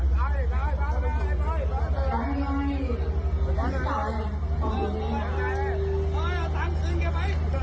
รับทราบ